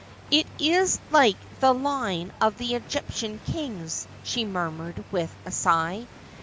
' It is like the line of the Egyptian kings,' she murmured with a sigh.